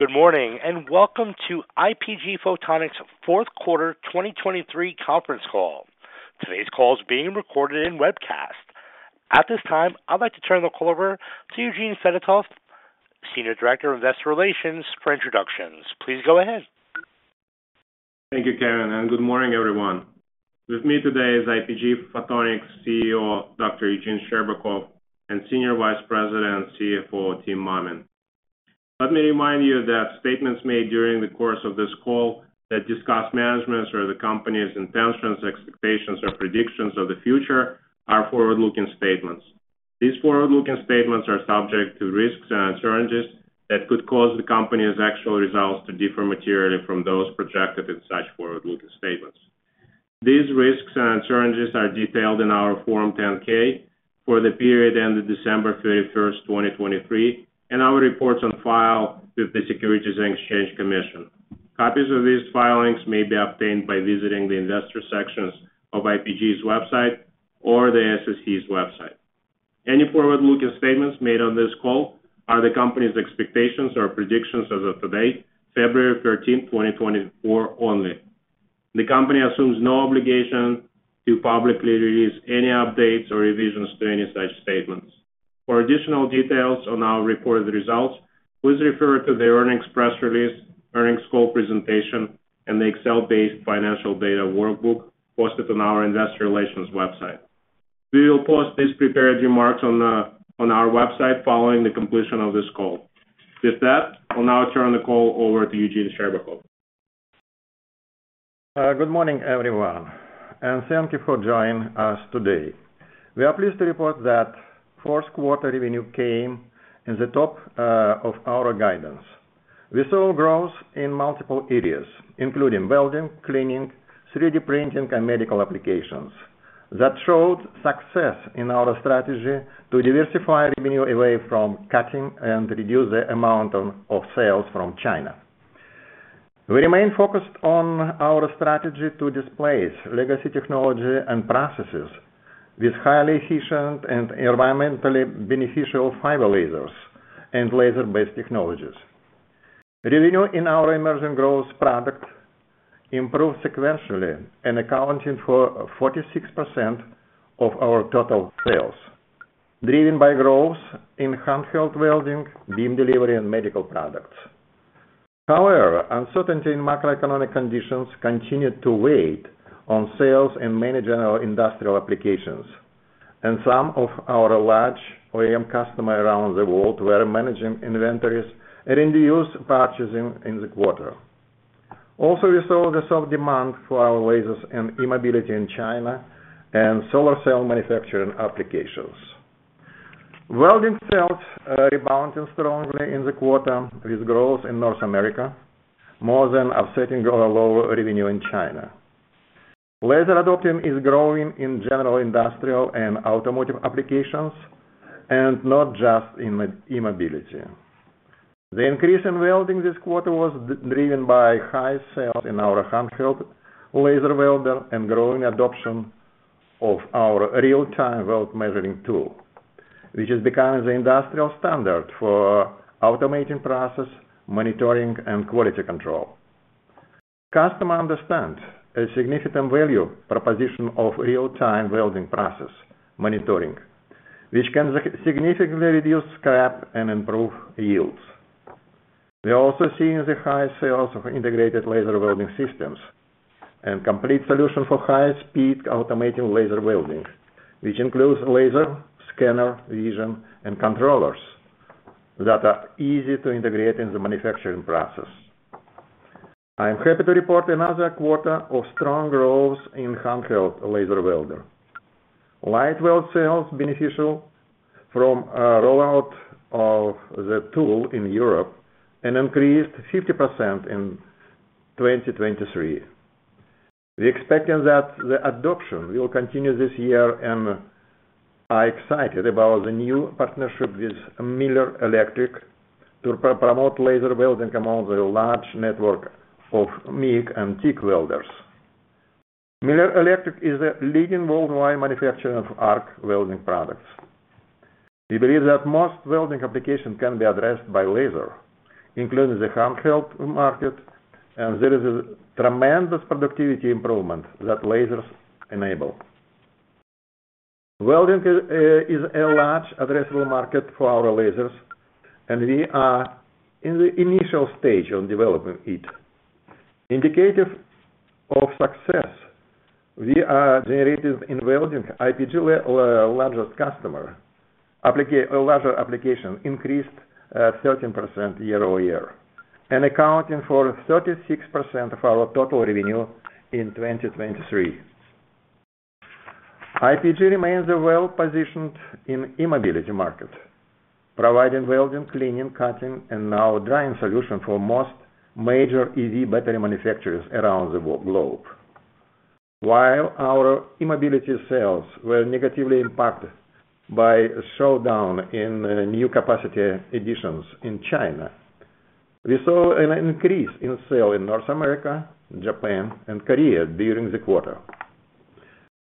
Good morning and welcome to IPG Photonics' fourth quarter 2023 conference call. Today's call is being recorded and webcast. At this time, I'd like to turn the call over to Eugene Fedotoff, Senior Director of Investor Relations, for introductions. Please go ahead. Thank you, Karen, and good morning, everyone. With me today is IPG Photonics CEO Dr. Eugene Scherbakov and Senior Vice President and CFO Tim Mammen. Let me remind you that statements made during the course of this call that discuss management's or the company's intentions, expectations, or predictions of the future are forward-looking statements. These forward-looking statements are subject to risks and uncertainties that could cause the company's actual results to differ materially from those projected in such forward-looking statements. These risks and uncertainties are detailed in our Form 10-K for the period ended December 31st, 2023, and our reports on file with the Securities and Exchange Commission. Copies of these filings may be obtained by visiting the investor sections of IPG's website or the SEC's website. Any forward-looking statements made on this call are the company's expectations or predictions as of today, February 13th, 2024, only. The company assumes no obligation to publicly release any updates or revisions to any such statements. For additional details on our reported results, please refer to the earnings press release, earnings call presentation, and the Excel-based financial data workbook posted on our investor relations website. We will post these prepared remarks on our website following the completion of this call. With that, I'll now turn the call over to Eugene Scherbakov. Good morning, everyone, and thank you for joining us today. We are pleased to report that fourth quarter revenue came in at the top of our guidance. We saw growth in multiple areas, including welding, cleaning, 3D printing, and medical applications, that showed success in our strategy to diversify revenue away from cutting and reduce the amount of sales from China. We remain focused on our strategy to displace legacy technology and processes with highly efficient and environmentally beneficial fiber lasers and laser-based technologies. Revenue in our emerging growth products improved sequentially, now accounting for 46% of our total sales, driven by growth in handheld welding, beam delivery, and medical products. However, uncertainty in macroeconomic conditions continued to weigh on sales in many general industrial applications, and some of our large OEM customers around the world were managing inventories and reduced purchasing in the quarter. Also, we saw a growth of demand for our lasers and e-mobility in China and solar cell manufacturing applications. Welding sales rebounded strongly in the quarter with growth in North America, more than offsetting our lower revenue in China. Laser adoption is growing in general industrial and automotive applications, and not just in e-mobility. The increase in welding this quarter was driven by high sales in our handheld laser welder and growing adoption of our real-time weld measuring tool, which is becoming the industrial standard for automating process monitoring and quality control. Customers understand a significant value proposition of real-time welding process monitoring, which can significantly reduce scrap and improve yields. We are also seeing the high sales of integrated laser welding systems and complete solutions for high-speed automating laser welding, which include laser scanner, vision, and controllers that are easy to integrate in the manufacturing process. I am happy to report another quarter of strong growth in handheld laser welder. LightWELD sales, beneficial from a rollout of the tool in Europe, increased 50% in 2023. We are expecting that the adoption will continue this year, and I am excited about the new partnership with Miller Electric to promote laser welding among the large network of MIG and TIG welders. Miller Electric is a leading worldwide manufacturer of arc welding products. We believe that most welding applications can be addressed by laser, including the handheld market, and there is a tremendous productivity improvement that lasers enable. Welding is a large addressable market for our lasers, and we are in the initial stage on developing it. Indicative of success, we are generating in welding IPG's largest customer application increased 13% year-over-year, and accounting for 36% of our total revenue in 2023. IPG remains well-positioned in e-mobility market, providing welding, cleaning, cutting, and now drying solutions for most major EV battery manufacturers around the world. While our e-mobility sales were negatively impacted by a slowdown in new capacity additions in China, we saw an increase in sales in North America, Japan, and Korea during the quarter.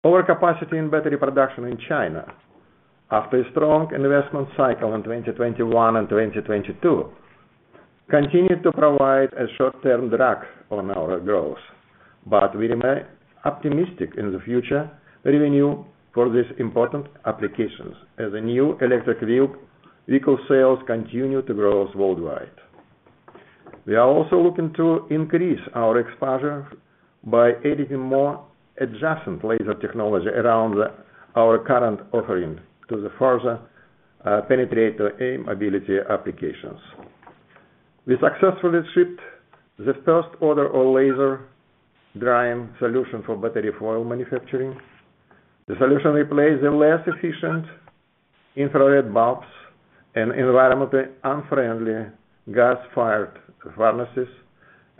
Overcapacity in battery production in China, after a strong investment cycle in 2021 and 2022, continued to provide a short-term drag on our growth, but we remain optimistic in the future revenue for these important applications as the new electric vehicle sales continue to grow worldwide. We are also looking to increase our exposure by adding more adjacent laser technology around our current offering to further penetrate e-mobility applications. We successfully shipped the first order of laser drying solution for battery foil manufacturing. The solution replaces the less efficient infrared bulbs and environmentally unfriendly gas-fired furnaces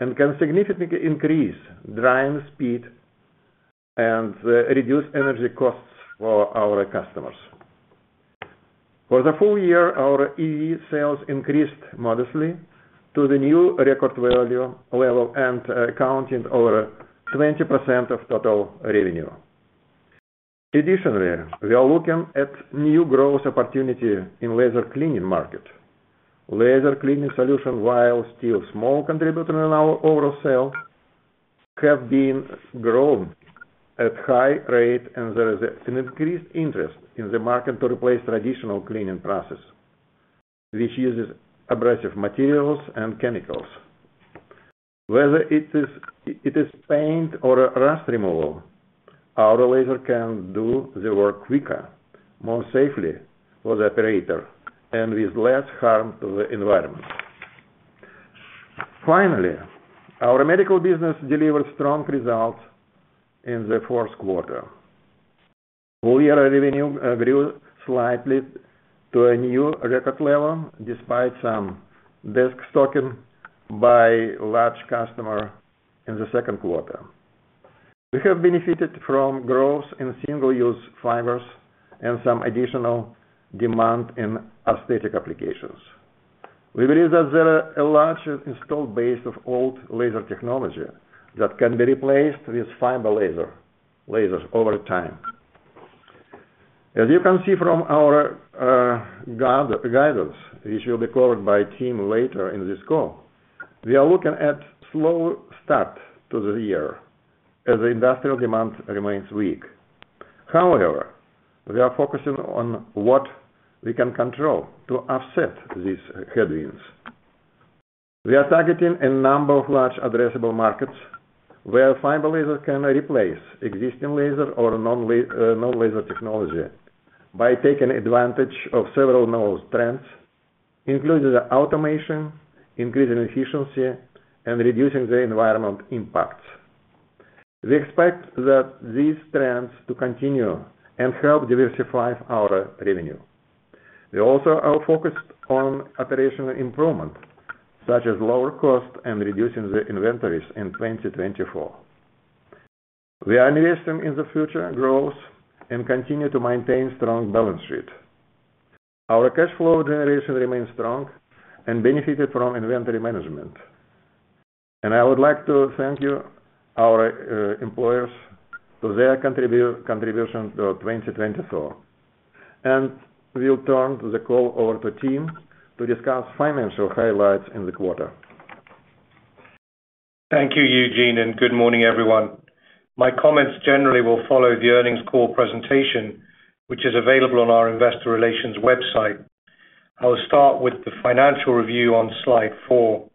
and can significantly increase drying speed and reduce energy costs for our customers. For the full year, our EV sales increased modestly to the new record value level and accounting over 20% of total revenue. Additionally, we are looking at new growth opportunities in the laser cleaning market. Laser cleaning solutions, while still small contributors in our overall sale, have been growing at a high rate, and there is an increased interest in the market to replace traditional cleaning processes, which use abrasive materials and chemicals. Whether it is paint or rust removal, our laser can do the work quicker, more safely for the operator, and with less harm to the environment. Finally, our medical business delivered strong results in the fourth quarter. Whole-year revenue grew slightly to a new record level despite some destocking by large customers in the second quarter. We have benefited from growth in single-use fibers and some additional demand in aesthetic applications. We believe that there is a large installed base of old laser technology that can be replaced with fiber lasers over time. As you can see from our guidance, which will be covered by Tim later in this call, we are looking at a slow start to the year as the industrial demand remains weak. However, we are focusing on what we can control to offset these headwinds. We are targeting a number of large addressable markets where fiber lasers can replace existing laser or non-laser technology by taking advantage of several known trends, including automation, increasing efficiency, and reducing the environmental impacts. We expect that these trends to continue and help diversify our revenue. We also are focused on operational improvement, such as lower costs and reducing the inventories in 2024. We are investing in the future growth and continue to maintain a strong balance sheet. Our cash flow generation remains strong and benefited from inventory management. And I would like to thank you, our employees, for their contribution to 2024. And we'll turn the call over to Tim to discuss financial highlights in the quarter. Thank you, Eugene, and good morning, everyone. My comments generally will follow the earnings call presentation, which is available on our investor relations website. I'll start with the financial review on slide four.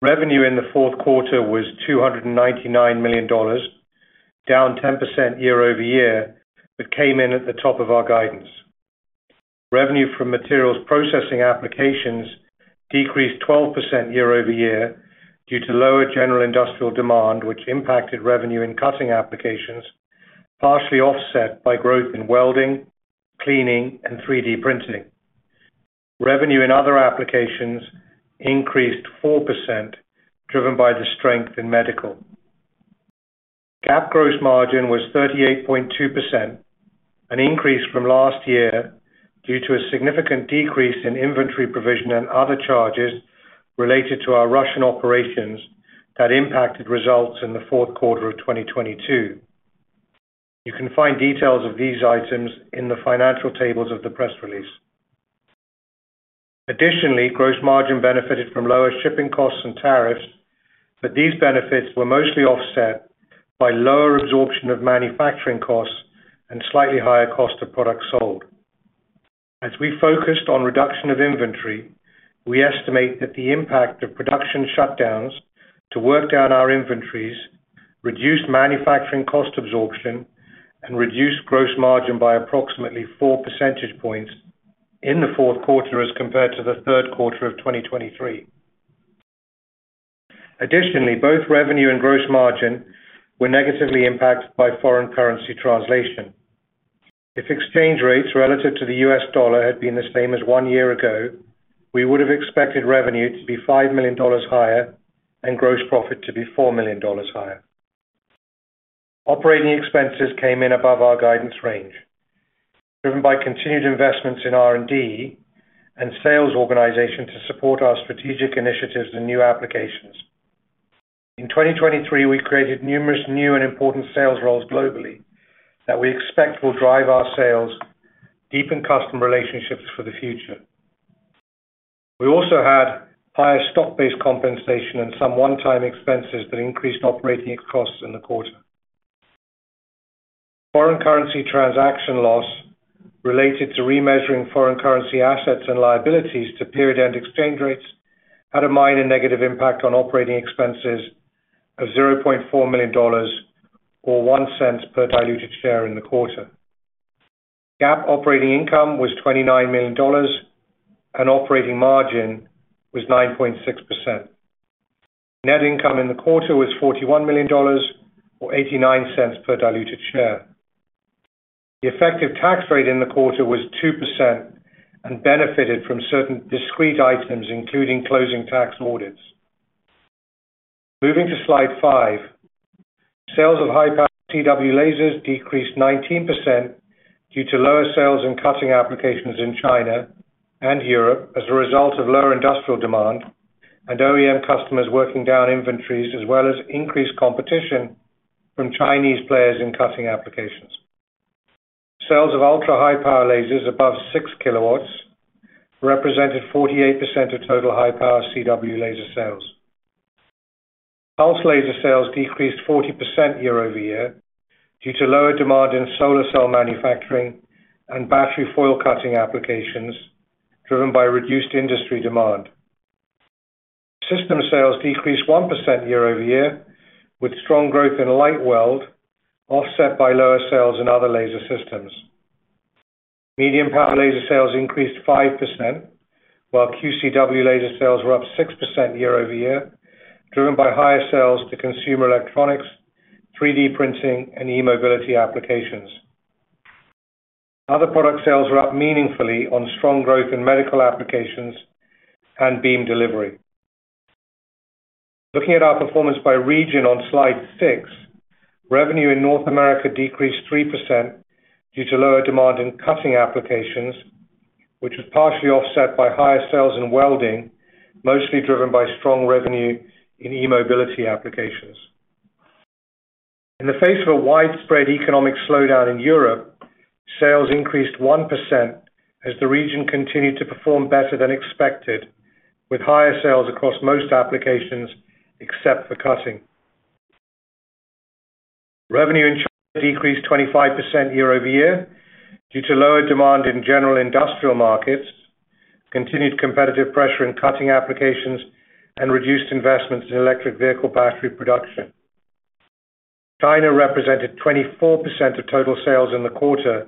Revenue in the fourth quarter was $299 million, down 10% year-over-year, but came in at the top of our guidance. Revenue from materials processing applications decreased 12% year-over-year due to lower general industrial demand, which impacted revenue in cutting applications, partially offset by growth in welding, cleaning, and 3D printing. Revenue in other applications increased 4%, driven by the strength in medical. GAAP gross margin was 38.2%, an increase from last year due to a significant decrease in inventory provision and other charges related to our Russian operations that impacted results in the fourth quarter of 2022. You can find details of these items in the financial tables of the press release. Additionally, gross margin benefited from lower shipping costs and tariffs, but these benefits were mostly offset by lower absorption of manufacturing costs and slightly higher cost of products sold. As we focused on reduction of inventory, we estimate that the impact of production shutdowns to work down our inventories reduced manufacturing cost absorption and reduced gross margin by approximately 4 percentage points in the fourth quarter as compared to the third quarter of 2023. Additionally, both revenue and gross margin were negatively impacted by foreign currency translation. If exchange rates relative to the U.S. dollar had been the same as one year ago, we would have expected revenue to be $5 million higher and gross profit to be $4 million higher. Operating expenses came in above our guidance range, driven by continued investments in R&D and sales organization to support our strategic initiatives and new applications. In 2023, we created numerous new and important sales roles globally that we expect will drive our sales, deepen customer relationships for the future. We also had higher stock-based compensation and some one-time expenses that increased operating costs in the quarter. Foreign currency transaction loss related to remeasuring foreign currency assets and liabilities to period-end exchange rates had a minor negative impact on operating expenses of $0.4 million or $0.01 per diluted share in the quarter. GAAP operating income was $29 million, and operating margin was 9.6%. Net income in the quarter was $41 million or $0.89 per diluted share. The effective tax rate in the quarter was 2% and benefited from certain discrete items, including closing tax audits. Moving to slide 5, sales of high-powered CW lasers decreased 19% due to lower sales in cutting applications in China and Europe as a result of lower industrial demand and OEM customers working down inventories, as well as increased competition from Chinese players in cutting applications. Sales of ultra-high-power lasers above 6 kW represented 48% of total high-power CW laser sales. Pulse laser sales decreased 40% year-over-year due to lower demand in solar cell manufacturing and battery foil cutting applications, driven by reduced industry demand. System sales decreased 1% year-over-year with strong growth in LightWELD, offset by lower sales in other laser systems. Medium power laser sales increased 5%, while QCW laser sales were up 6% year-over-year, driven by higher sales to consumer electronics, 3D printing, and e-mobility applications. Other product sales were up meaningfully on strong growth in medical applications and beam delivery. Looking at our performance by region on slide six, revenue in North America decreased 3% due to lower demand in cutting applications, which was partially offset by higher sales in welding, mostly driven by strong revenue in e-mobility applications. In the face of a widespread economic slowdown in Europe, sales increased 1% as the region continued to perform better than expected, with higher sales across most applications except for cutting. Revenue in China decreased 25% year-over-year due to lower demand in general industrial markets, continued competitive pressure in cutting applications, and reduced investments in electric vehicle battery production. China represented 24% of total sales in the quarter,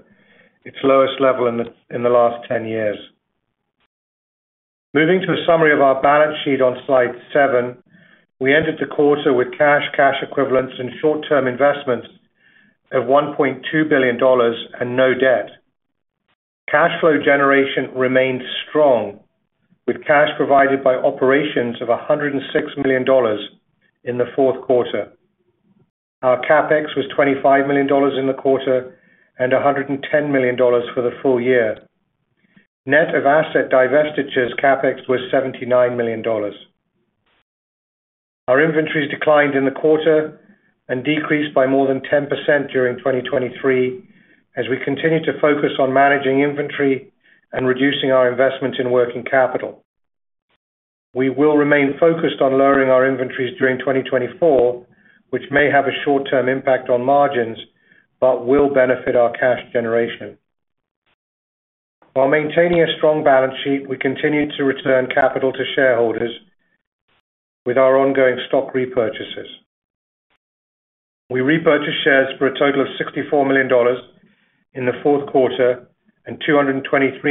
its lowest level in the last 10 years. Moving to a summary of our balance sheet on slide seven, we ended the quarter with cash, cash equivalents, and short-term investments of $1.2 billion and no debt. Cash flow generation remained strong, with cash provided by operations of $106 million in the fourth quarter. Our CapEx was $25 million in the quarter and $110 million for the full year. Net of asset divestitures CapEx was $79 million. Our inventories declined in the quarter and decreased by more than 10% during 2023 as we continue to focus on managing inventory and reducing our investment in working capital. We will remain focused on lowering our inventories during 2024, which may have a short-term impact on margins but will benefit our cash generation. While maintaining a strong balance sheet, we continue to return capital to shareholders with our ongoing stock repurchases. We repurchased shares for a total of $64 million in the fourth quarter and $223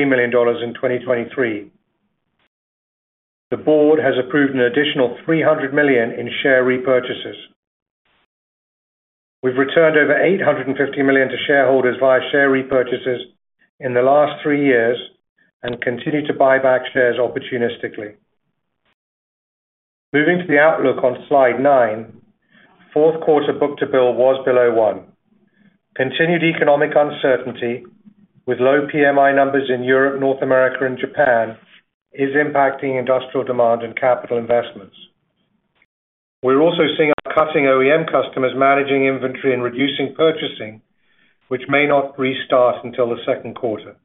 million in 2023. The board has approved an additional $300 million in share repurchases. We've returned over $850 million to shareholders via share repurchases in the last three years and continue to buy back shares opportunistically. Moving to the outlook on slide nine, fourth quarter book-to-bill was below one. Continued economic uncertainty with low PMI numbers in Europe, North America, and Japan is impacting industrial demand and capital investments. We're also seeing our cutting OEM customers managing inventory and reducing purchasing, which may not restart until the second quarter.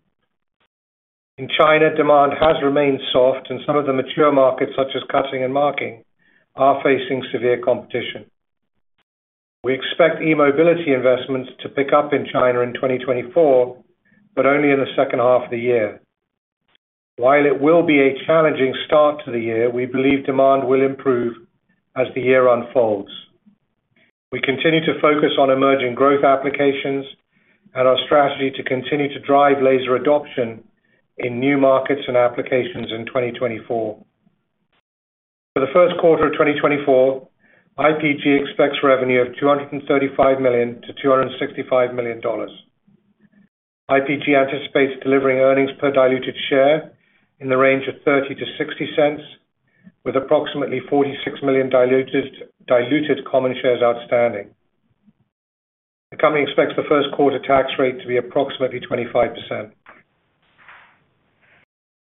In China, demand has remained soft, and some of the mature markets, such as cutting and marking, are facing severe competition. We expect e-mobility investments to pick up in China in 2024, but only in the second half of the year. While it will be a challenging start to the year, we believe demand will improve as the year unfolds. We continue to focus on emerging growth applications and our strategy to continue to drive laser adoption in new markets and applications in 2024. For the first quarter of 2024, IPG expects revenue of $235 million-$265 million. IPG anticipates delivering earnings per diluted share in the range of $0.30-$0.60, with approximately 46 million diluted common shares outstanding. The company expects the first quarter tax rate to be approximately 25%.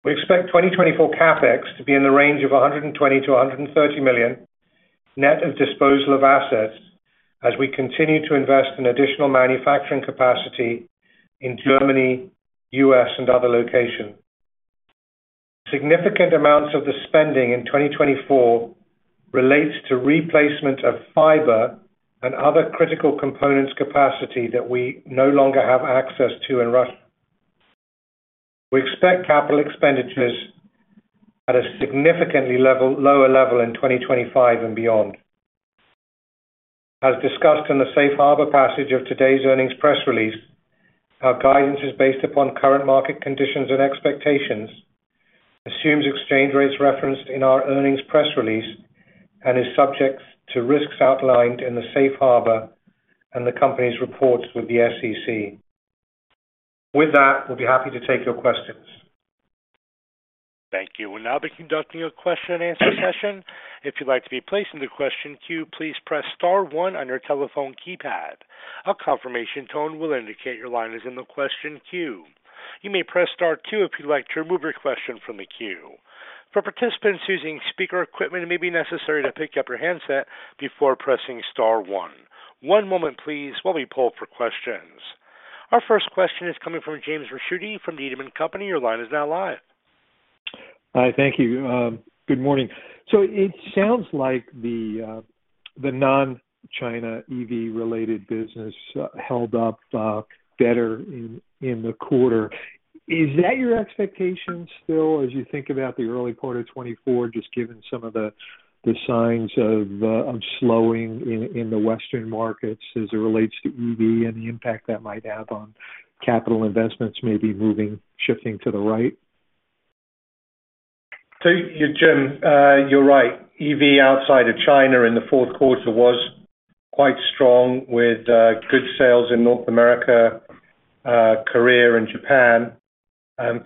We expect 2024 CapEx to be in the range of $120 million-$130 million net of disposal of assets as we continue to invest in additional manufacturing capacity in Germany, U.S., and other locations. Significant amounts of the spending in 2024 relate to replacement of fiber and other critical components capacity that we no longer have access to in Russia. We expect capital expenditures at a significantly lower level in 2025 and beyond. As discussed in the Safe Harbor passage of today's earnings press release, our guidance is based upon current market conditions and expectations, assumes exchange rates referenced in our earnings press release, and is subject to risks outlined in the Safe Harbor and the company's reports with the SEC. With that, we'll be happy to take your questions. Thank you. We'll now be conducting a question-and-answer session. If you'd like to be placed in the question queue, please press star one on your telephone keypad. A confirmation tone will indicate your line is in the question queue. You may press star two if you'd like to remove your question from the queue. For participants using speaker equipment, it may be necessary to pick up your handset before pressing star one. One moment, please, while we pull for questions. Our first question is coming from James Ricchiuti from Needham & Company. Your line is now live. Hi. Thank you. Good morning. It sounds like the non-China EV-related business held up better in the quarter. Is that your expectation still as you think about the early part of 2024, just given some of the signs of slowing in the Western markets as it relates to EV and the impact that might have on capital investments, maybe shifting to the right? So Jim, you're right. EV outside of China in the fourth quarter was quite strong with good sales in North America, Korea, and Japan.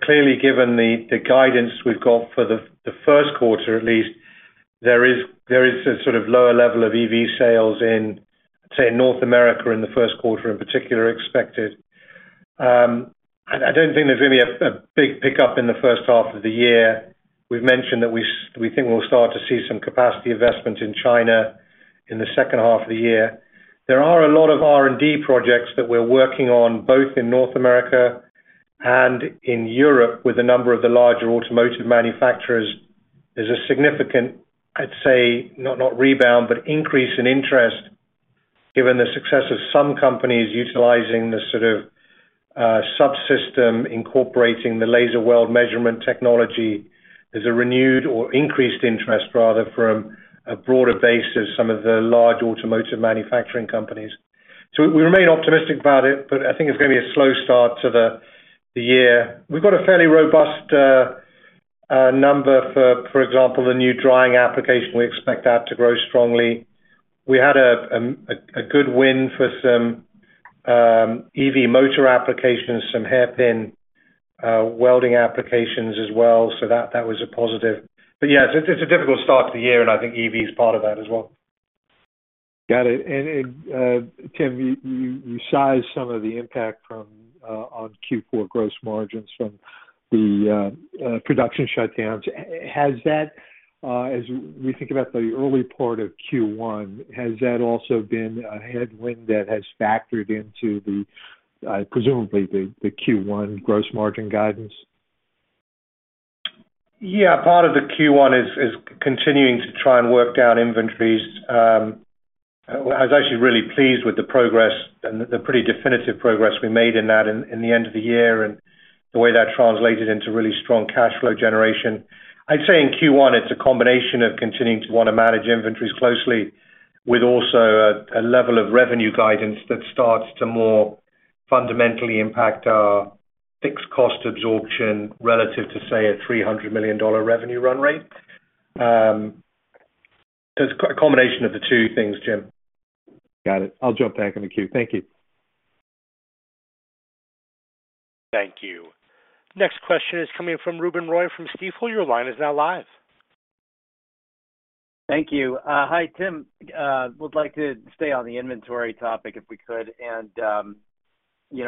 Clearly, given the guidance we've got for the first quarter, at least, there is a sort of lower level of EV sales in, say, North America in the first quarter in particular expected. I don't think there's going to be a big pickup in the first half of the year. We've mentioned that we think we'll start to see some capacity investment in China in the second half of the year. There are a lot of R&D projects that we're working on both in North America and in Europe with a number of the larger automotive manufacturers. There's a significant, I'd say, not rebound, but increase in interest given the success of some companies utilizing the sort of subsystem incorporating the laser weld measurement technology. There's a renewed or increased interest, rather, from a broader base of some of the large automotive manufacturing companies. So we remain optimistic about it, but I think it's going to be a slow start to the year. We've got a fairly robust number for, for example, the new drying application. We expect that to grow strongly. We had a good win for some EV motor applications, some hairpin welding applications as well. So that was a positive. But yeah, it's a difficult start to the year, and I think EV is part of that as well. Got it. And Tim, you sized some of the impact on Q4 gross margins from the production shutdowns. As we think about the early part of Q1, has that also been a headwind that has factored into, presumably, the Q1 gross margin guidance? Yeah. Part of the Q1 is continuing to try and work down inventories. I was actually really pleased with the progress and the pretty definitive progress we made in that in the end of the year and the way that translated into really strong cash flow generation. I'd say in Q1, it's a combination of continuing to want to manage inventories closely with also a level of revenue guidance that starts to more fundamentally impact our fixed cost absorption relative to, say, a $300 million revenue run rate. So it's a combination of the two things, Jim. Got it. I'll jump back in the queue. Thank you. Thank you. Next question is coming from Ruben Roy from Stifel. Your line is now live. Thank you. Hi Tim. Would like to stay on the inventory topic if we could and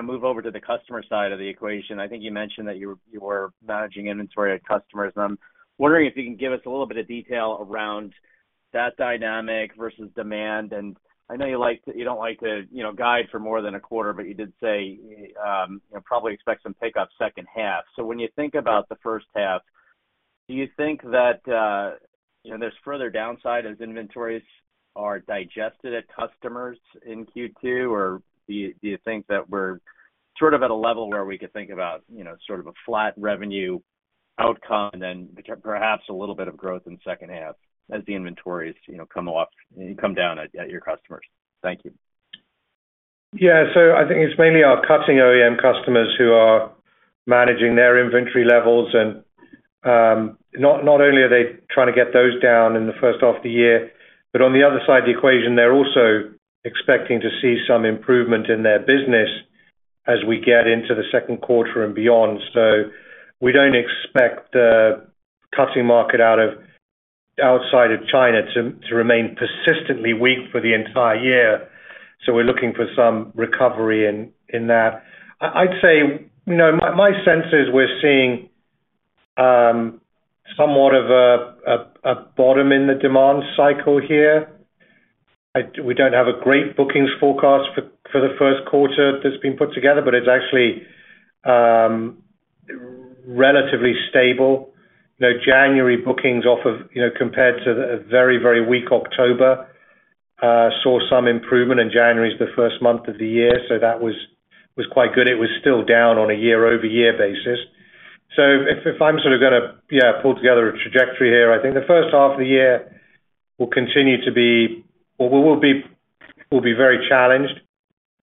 move over to the customer side of the equation. I think you mentioned that you were managing inventory at customers, and I'm wondering if you can give us a little bit of detail around that dynamic versus demand. And I know you don't like to guide for more than a quarter, but you did say you probably expect some pickup second half. So when you think about the first half, do you think that there's further downside as inventories are digested at customers in Q2, or do you think that we're sort of at a level where we could think about sort of a flat revenue outcome and then perhaps a little bit of growth in second half as the inventories come down at your customers? Thank you. Yeah. So I think it's mainly our cutting OEM customers who are managing their inventory levels. And not only are they trying to get those down in the first half of the year, but on the other side of the equation, they're also expecting to see some improvement in their business as we get into the second quarter and beyond. So we don't expect the cutting market outside of China to remain persistently weak for the entire year. So we're looking for some recovery in that. I'd say my sense is we're seeing somewhat of a bottom in the demand cycle here. We don't have a great bookings forecast for the first quarter that's been put together, but it's actually relatively stable. January bookings compared to a very, very weak October saw some improvement, and January is the first month of the year. So that was quite good. It was still down on a year-over-year basis. So if I'm sort of going to, yeah, pull together a trajectory here, I think the first half of the year will continue to be, well, we'll be very challenged.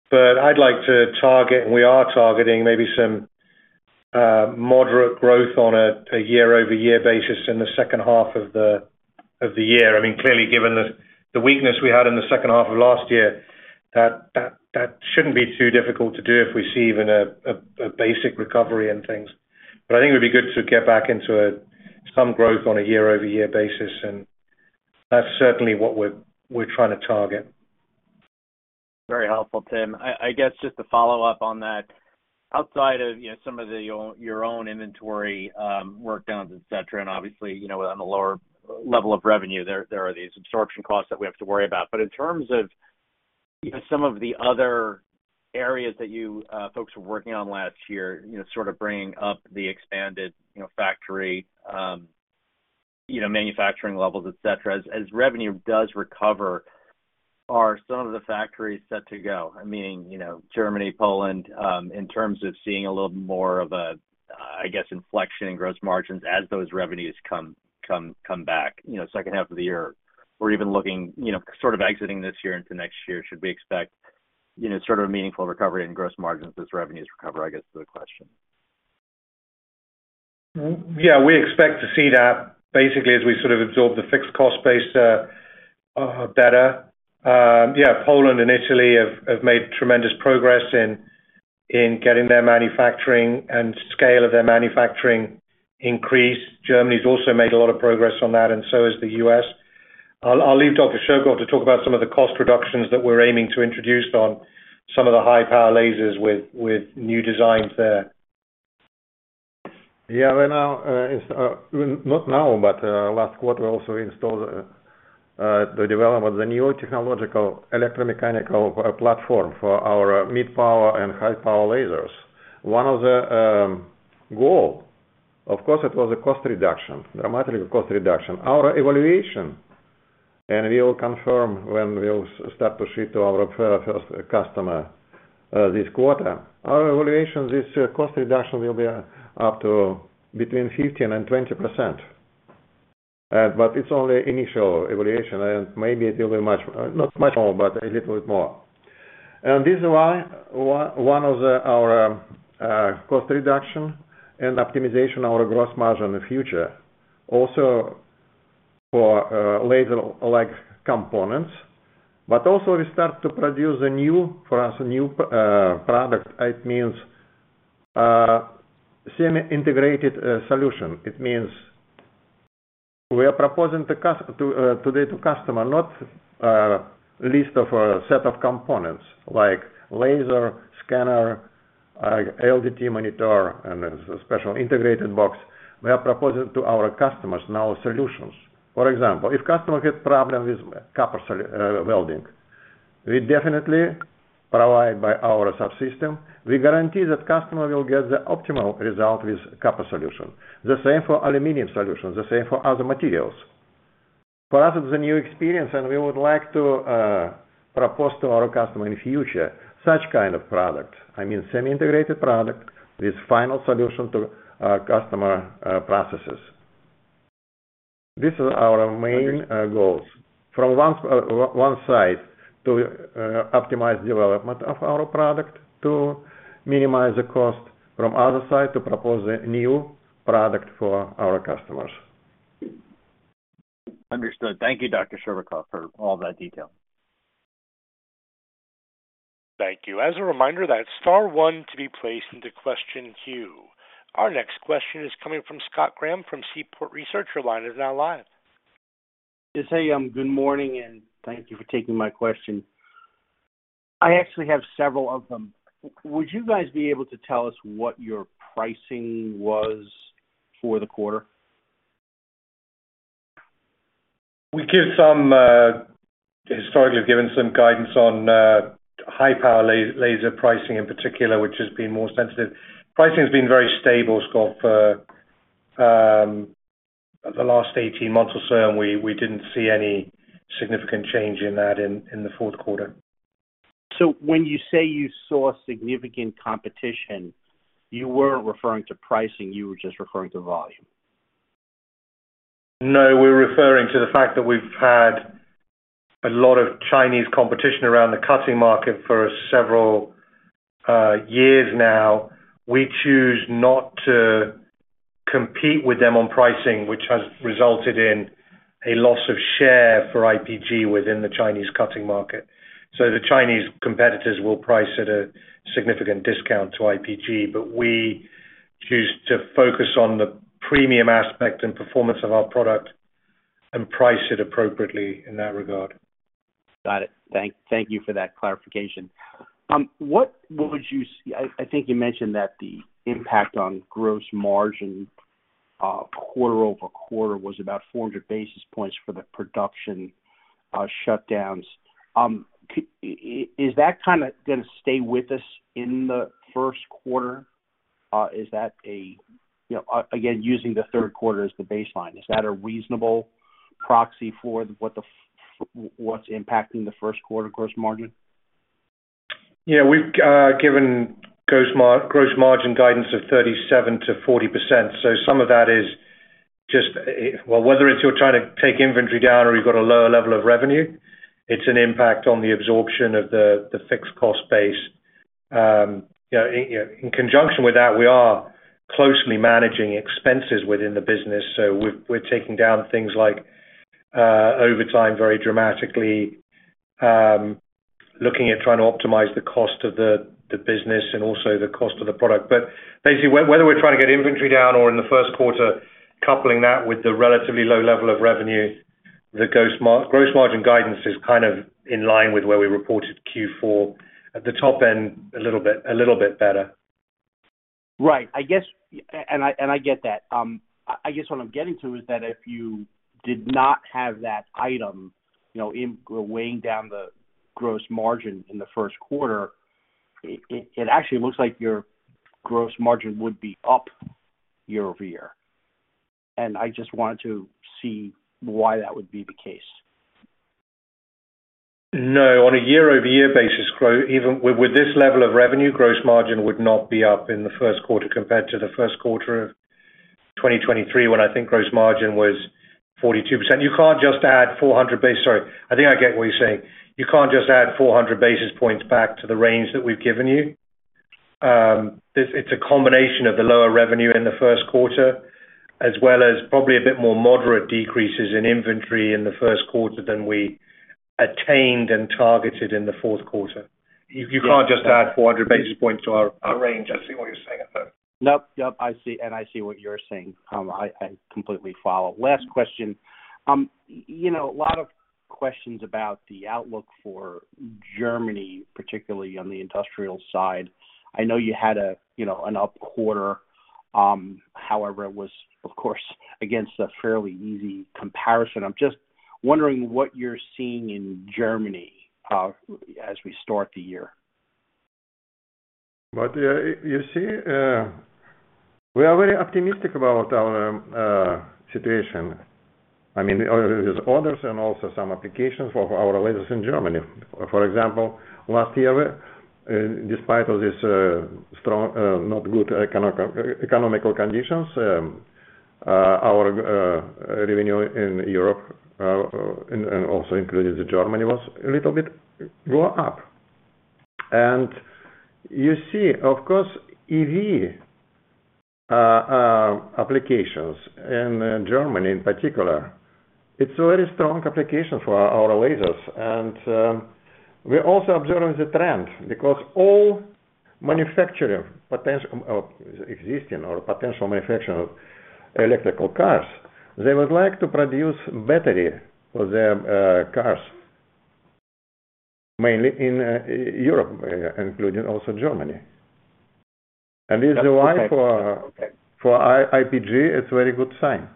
But I'd like to target, and we are targeting, maybe some moderate growth on a year-over-year basis in the second half of the year. I mean, clearly, given the weakness we had in the second half of last year, that shouldn't be too difficult to do if we see even a basic recovery in things. But I think it would be good to get back into some growth on a year-over-year basis. And that's certainly what we're trying to target. Very helpful, Tim. I guess just to follow up on that, outside of some of your own inventory workdowns, etc., and obviously, on the lower level of revenue, there are these absorption costs that we have to worry about. But in terms of some of the other areas that you folks were working on last year, sort of bringing up the expanded factory manufacturing levels, etc., as revenue does recover, are some of the factories set to go? I mean, Germany, Poland, in terms of seeing a little more of, I guess, inflection in gross margins as those revenues come back second half of the year? We're even looking sort of exiting this year into next year. Should we expect sort of a meaningful recovery in gross margins as revenues recover, I guess, is the question. Yeah. We expect to see that basically as we sort of absorb the fixed cost base better. Yeah. Poland and Italy have made tremendous progress in getting their manufacturing and scale of their manufacturing increased. Germany's also made a lot of progress on that, and so has the U.S.. I'll leave Dr. Scherbakov to talk about some of the cost reductions that we're aiming to introduce on some of the high-power lasers with new designs there. Yeah. Not now, but last quarter, we also installed the development of the new technological electromechanical platform for our mid-power and high-power lasers. One of the goals, of course, it was a cost reduction, dramatic cost reduction. Our evaluation, and we will confirm when we'll start to ship to our first customer this quarter, our evaluation, this cost reduction will be up to between 15%-20%. But it's only initial evaluation, and maybe it will be much not much more, but a little bit more. And this is why one of our cost reduction and optimization of our gross margin in the future also for laser-like components. But also, we start to produce a new for us, a new product. It means semi-integrated solution. It means we are proposing today to customers, not a list of a set of components like laser, scanner, LDD monitor, and a special integrated box. We are proposing to our customers now solutions. For example, if a customer had a problem with copper welding, we definitely provide by our subsystem. We guarantee that the customer will get the optimal result with copper solution. The same for aluminum solutions. The same for other materials. For us, it's a new experience, and we would like to propose to our customer in the future such kind of product. I mean, semi-integrated product with final solution to customer processes. This is our main goals. From one side to optimize the development of our product to minimize the cost. From the other side to propose a new product for our customers. Understood. Thank you, Dr. Scherbakov, for all that detail. Thank you. As a reminder, that's star one to be placed into question queue. Our next question is coming from Scott Graham from Seaport Research Partners. Your line is now live. Yes. Hey. Good morning, and thank you for taking my question. I actually have several of them. Would you guys be able to tell us what your pricing was for the quarter? We've historically given some guidance on high-power laser pricing in particular, which has been more sensitive. Pricing has been very stable, Scott, for the last 18 months or so, and we didn't see any significant change in that in the fourth quarter. When you say you saw significant competition, you weren't referring to pricing. You were just referring to volume. No. We're referring to the fact that we've had a lot of Chinese competition around the cutting market for several years now. We choose not to compete with them on pricing, which has resulted in a loss of share for IPG within the Chinese cutting market. So the Chinese competitors will price at a significant discount to IPG, but we choose to focus on the premium aspect and performance of our product and price it appropriately in that regard. Got it. Thank you for that clarification. I think you mentioned that the impact on gross margin quarter-over-quarter was about 400 basis points for the production shutdowns. Is that kind of going to stay with us in the first quarter? Is that again, using the third quarter as the baseline, a reasonable proxy for what's impacting the first quarter gross margin? Yeah. We've given gross margin guidance of 37%-40%. So some of that is just well, whether it's you're trying to take inventory down or you've got a lower level of revenue, it's an impact on the absorption of the fixed cost base. In conjunction with that, we are closely managing expenses within the business. So we're taking down things like overtime very dramatically, looking at trying to optimize the cost of the business and also the cost of the product. But basically, whether we're trying to get inventory down or in the first quarter, coupling that with the relatively low level of revenue, the gross margin guidance is kind of in line with where we reported Q4. At the top end, a little bit better. Right. And I get that. I guess what I'm getting to is that if you did not have that item weighing down the gross margin in the first quarter, it actually looks like your gross margin would be up year-over-year. And I just wanted to see why that would be the case. No. On a year-over-year basis, with this level of revenue, gross margin would not be up in the first quarter compared to the first quarter of 2023 when I think gross margin was 42%. You can't just add 400 basis points sorry. I think I get what you're saying. You can't just add 400 basis points back to the range that we've given you. It's a combination of the lower revenue in the first quarter as well as probably a bit more moderate decreases in inventory in the first quarter than we attained and targeted in the fourth quarter. You can't just add 400 basis points to our range. I see what you're saying, though. Nope. Yep. I see. I see what you're saying. I completely follow. Last question. A lot of questions about the outlook for Germany, particularly on the industrial side. I know you had an up quarter. However, it was, of course, against a fairly easy comparison. I'm just wondering what you're seeing in Germany as we start the year. But you see, we are very optimistic about our situation, I mean, with orders and also some applications for our lasers in Germany. For example, last year, despite all these strong, not good economic conditions, our revenue in Europe, and also including Germany, went a little bit up. And you see, of course, EV applications in Germany, in particular, it's a very strong application for our lasers. And we also observe the trend because all manufacturing existing or potential manufacturing of electric cars, they would like to produce battery for their cars, mainly in Europe, including also Germany. And this is why for IPG, it's a very good sign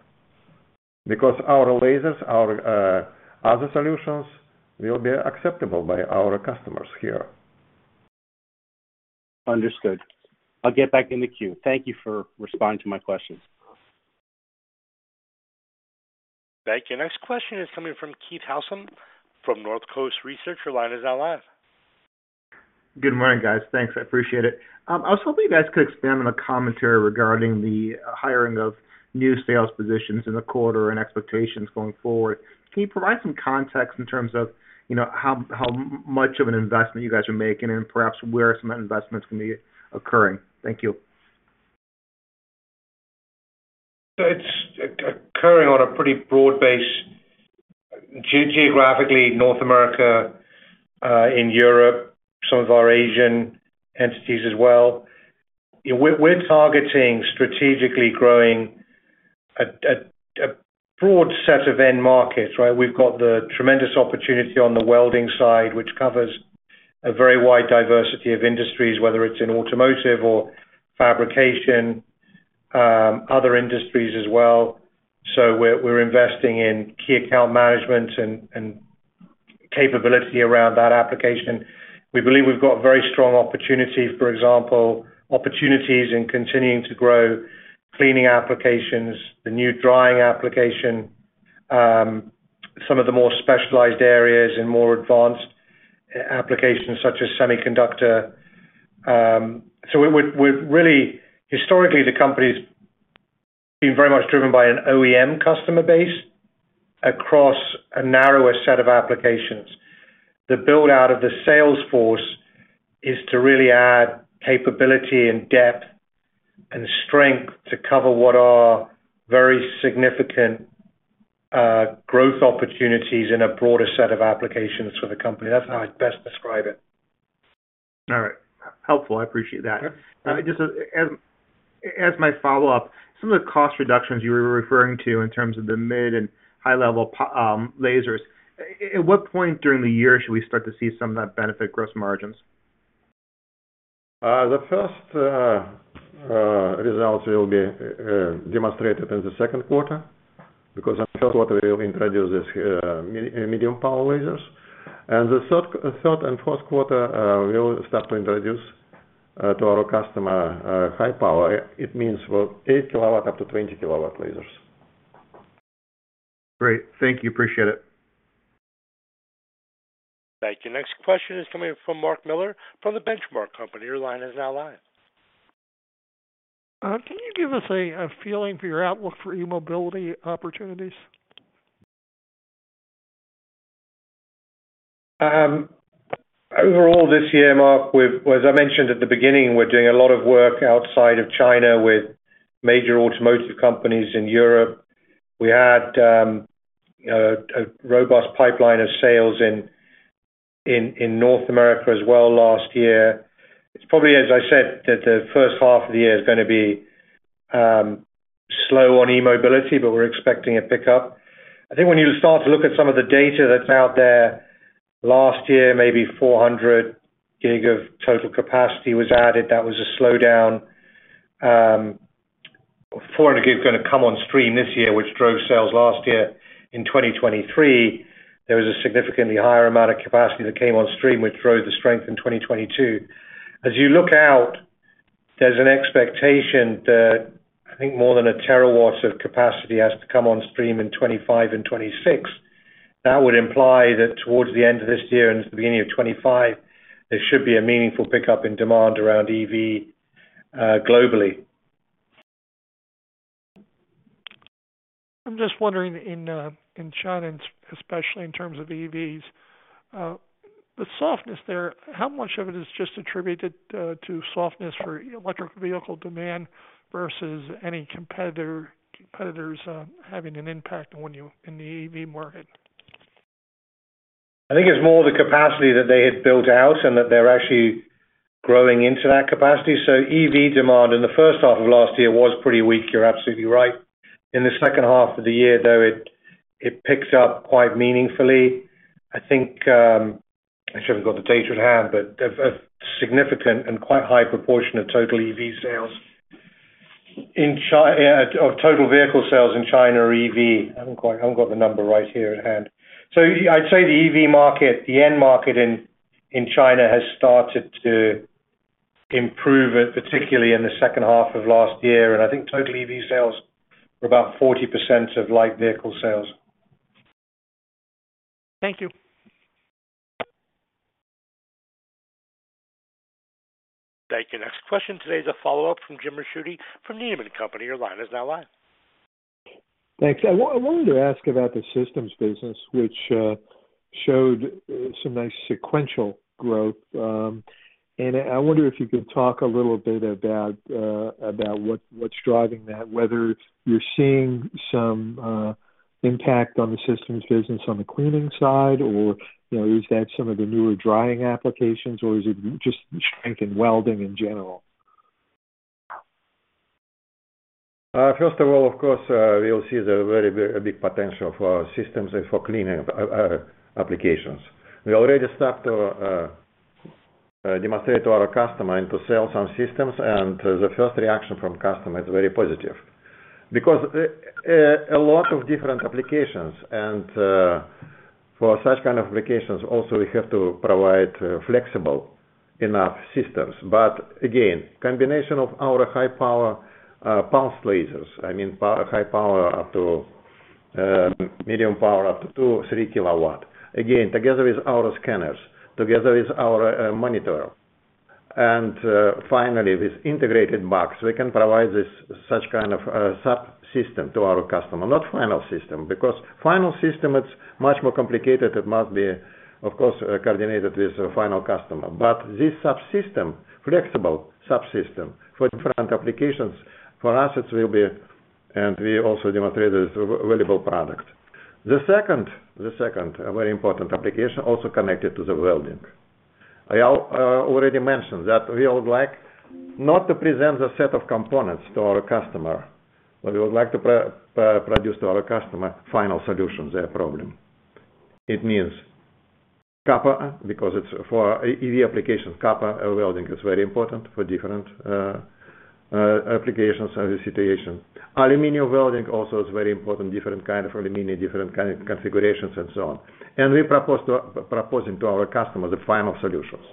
because our lasers, our other solutions will be accepted by our customers here. Understood. I'll get back in the queue. Thank you for responding to my questions. Thank you. Next question is coming from Keith Housum from Northcoast Research. Your line is now live. Good morning, guys. Thanks. I appreciate it. I was hoping you guys could expand on the commentary regarding the hiring of new sales positions in the quarter and expectations going forward. Can you provide some context in terms of how much of an investment you guys are making and perhaps where some of that investment's going to be occurring? Thank you. So it's occurring on a pretty broad base, geographically, North America, in Europe, some of our Asian entities as well. We're targeting strategically growing a broad set of end markets, right? We've got the tremendous opportunity on the welding side, which covers a very wide diversity of industries, whether it's in automotive or fabrication, other industries as well. So we're investing in key account management and capability around that application. We believe we've got a very strong opportunity, for example, opportunities in continuing to grow cleaning applications, the new drying application, some of the more specialized areas and more advanced applications such as semiconductor. So really, historically, the company's been very much driven by an OEM customer base across a narrower set of applications. The buildout of the sales force is to really add capability and depth and strength to cover what are very significant growth opportunities in a broader set of applications for the company. That's how I'd best describe it. All right. Helpful. I appreciate that. Just as my follow-up, some of the cost reductions you were referring to in terms of the mid and high-level lasers, at what point during the year should we start to see some of that benefit gross margins? The first results will be demonstrated in the second quarter because in the first quarter, we will introduce these medium-power lasers. The third and fourth quarter, we will start to introduce to our customer high-power. It means 8-kW to 20-kW lasers. Great. Thank you. Appreciate it. Thank you. Next question is coming from Mark Miller from the Benchmark Company. Your line is now live. Can you give us a feeling for your outlook for e-mobility opportunities? Overall this year, Mark, as I mentioned at the beginning, we're doing a lot of work outside of China with major automotive companies in Europe. We had a robust pipeline of sales in North America as well last year. It's probably, as I said, that the first half of the year is going to be slow on e-mobility, but we're expecting a pickup. I think when you start to look at some of the data that's out there, last year, maybe 400 gig of total capacity was added. That was a slowdown. 400 gig is going to come on stream this year, which drove sales last year. In 2023, there was a significantly higher amount of capacity that came on stream, which drove the strength in 2022. As you look out, there's an expectation that I think more than a terawatt of capacity has to come on stream in 2025 and 2026. That would imply that towards the end of this year and the beginning of 2025, there should be a meaningful pickup in demand around EV globally. I'm just wondering, in China especially, in terms of EVs, the softness there, how much of it is just attributed to softness for electric vehicle demand versus any competitors having an impact in the EV market? I think it's more the capacity that they had built out and that they're actually growing into that capacity. So EV demand in the first half of last year was pretty weak. You're absolutely right. In the second half of the year, though, it picked up quite meaningfully. I think I actually haven't got the data at hand, but a significant and quite high proportion of total EV sales in China of total vehicle sales in China are EV. I haven't got the number right here at hand. So I'd say the EV market, the end market in China has started to improve, particularly in the second half of last year. And I think total EV sales were about 40% of light vehicle sales. Thank you. Thank you. Next question. Today's a follow-up from James Ricchiuti from Needham & Company. Your line is now live. Thanks. I wanted to ask about the systems business, which showed some nice sequential growth. I wonder if you could talk a little bit about what's driving that, whether you're seeing some impact on the systems business on the cleaning side, or is that some of the newer drying applications, or is it just strength in welding in general? First of all, of course, we'll see a very big potential for systems and for cleaning applications. We already start to demonstrate to our customer and to sell some systems, and the first reaction from customer is very positive because a lot of different applications. For such kind of applications, also, we have to provide flexible enough systems. But again, combination of our high-power pulse lasers, I mean, high power up to medium power up to 2 kW-3 kW, again, together with our scanners, together with our monitor, and finally, with integrated box, we can provide such kind of subsystem to our customer, not final system because final system, it's much more complicated. It must be, of course, coordinated with the final customer. But this subsystem, flexible subsystem for different applications, for us, it will be. And we also demonstrated it's a valuable product. The second very important application also connected to the welding. I already mentioned that we would like not to present the set of components to our customer, but we would like to produce to our customer final solution, their problem. It means copper because it's for EV applications. Copper welding is very important for different applications of the situation. Aluminum welding also is very important, different kind of aluminum, different kind of configurations, and so on. We're proposing to our customers the final solutions.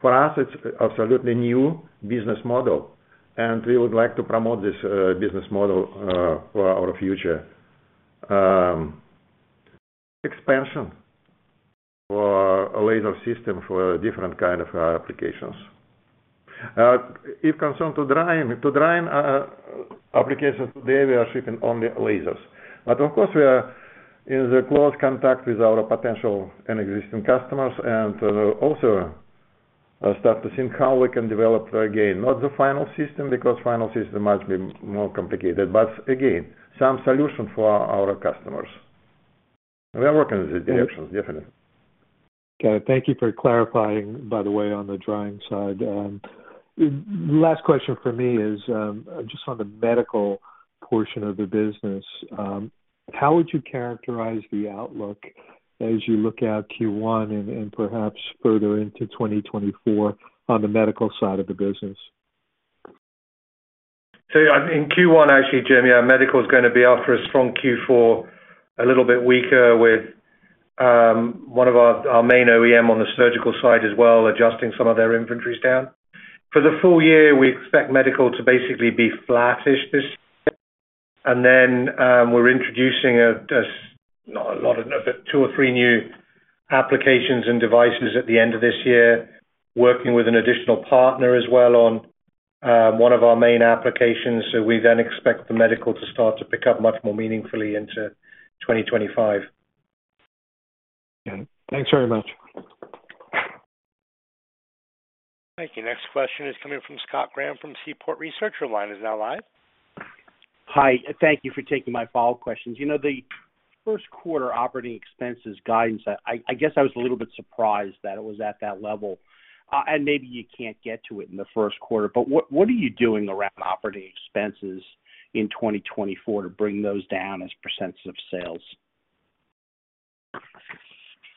For us, it's absolutely new business model, and we would like to promote this business model for our future expansion for laser system for different kind of applications. If concerned to drying applications, today, we are shipping only lasers. But of course, we are in close contact with our potential and existing customers and also start to see how we can develop, again, not the final system because final system must be more complicated, but again, some solution for our customers. We are working in these directions, definitely. Got it. Thank you for clarifying, by the way, on the drying side. Last question for me is just on the medical portion of the business. How would you characterize the outlook as you look at Q1 and perhaps further into 2024 on the medical side of the business? So in Q1, actually, Jamie, our medical is going to be after a strong Q4, a little bit weaker with one of our main OEM on the surgical side as well adjusting some of their inventories down. For the full year, we expect medical to basically be flattish this year. And then we're introducing a lot of two or three new applications and devices at the end of this year, working with an additional partner as well on one of our main applications. So we then expect the medical to start to pick up much more meaningfully into 2025. Got it. Thanks very much. Thank you. Next question is coming from Scott Graham from Seaport Research. Your line is now live. Hi. Thank you for taking my follow-up questions. The first quarter operating expenses guidance, I guess I was a little bit surprised that it was at that level. And maybe you can't get to it in the first quarter, but what are you doing around operating expenses in 2024 to bring those down as percentage of sales?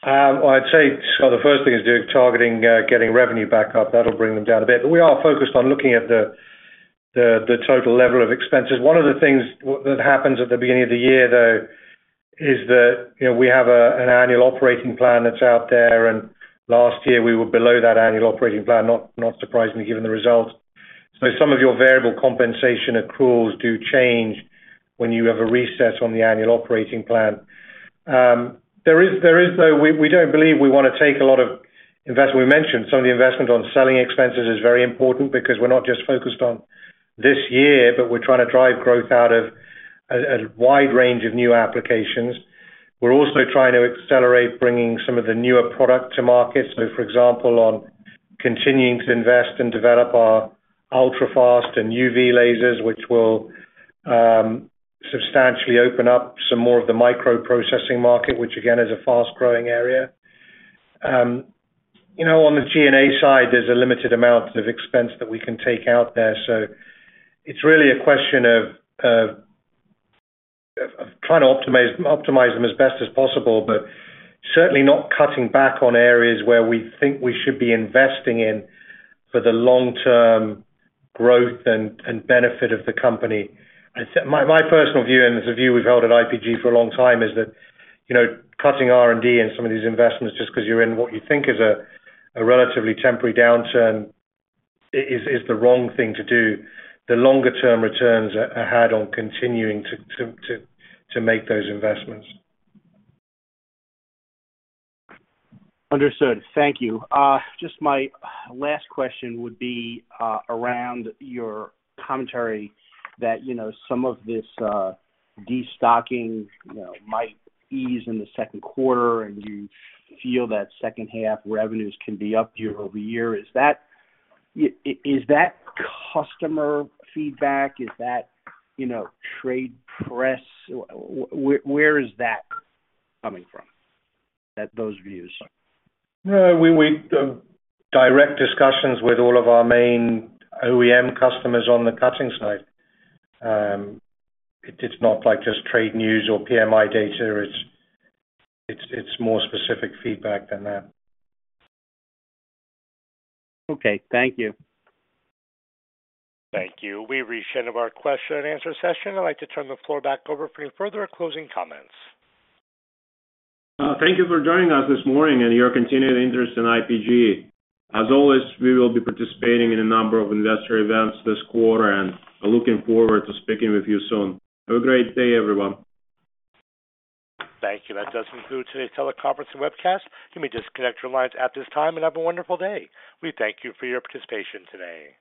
Well, I'd say, so the first thing is targeting getting revenue back up. That'll bring them down a bit. But we are focused on looking at the total level of expenses. One of the things that happens at the beginning of the year, though, is that we have an annual operating plan that's out there. And last year, we were below that annual operating plan, not surprisingly given the results. So some of your variable compensation accruals do change when you have a reset on the annual operating plan. There is, though, we don't believe we want to take a lot of investment. We mentioned some of the investment on selling expenses is very important because we're not just focused on this year, but we're trying to drive growth out of a wide range of new applications. We're also trying to accelerate bringing some of the newer products to market. So, for example, on continuing to invest and develop our ultrafast and UV lasers, which will substantially open up some more of the microprocessing market, which again is a fast-growing area. On the G&A side, there's a limited amount of expense that we can take out there. So it's really a question of trying to optimize them as best as possible, but certainly not cutting back on areas where we think we should be investing in for the long-term growth and benefit of the company. My personal view, and it's a view we've held at IPG for a long time, is that cutting R&D and some of these investments just because you're in what you think is a relatively temporary downturn is the wrong thing to do. The longer-term returns ahead on continuing to make those investments. Understood. Thank you. Just my last question would be around your commentary that some of this destocking might ease in the second quarter, and you feel that second-half revenues can be up year-over-year. Is that customer feedback? Is that trade press? Where is that coming from, those views? No, we've direct discussions with all of our main OEM customers on the cutting side. It's not just trade news or PMI data. It's more specific feedback than that. Okay. Thank you. Thank you. We've reached the end of our question-and-answer session. I'd like to turn the floor back over for any further or closing comments. Thank you for joining us this morning and your continued interest in IPG. As always, we will be participating in a number of investor events this quarter, and looking forward to speaking with you soon. Have a great day, everyone. Thank you. That does conclude today's teleconference and webcast. You may disconnect your lines at this time, and have a wonderful day. We thank you for your participation today.